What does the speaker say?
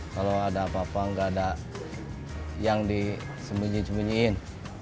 kalau ada apa apa nggak ada yang disembunyi sembunyiin